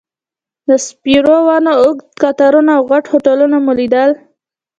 د سپیرو ونو اوږد قطارونه او غټ هوټلونه مو لیدل.